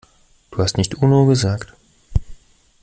Du hast nicht Uno gesagt.